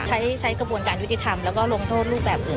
ใช้ใช้กระบวนการวิธีทำแล้วก็ลงโทษรูปแบบอื่น